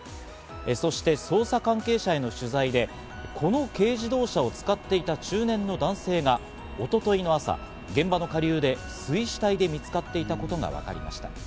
そして捜査関係者への取材で、この軽自動車を使っていた中年の男性が、一昨日の朝、現場の下流で水死体で見つかっていたことがわかりました。